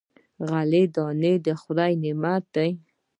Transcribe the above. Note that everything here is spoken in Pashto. غله دانه د خدای نعمت دی.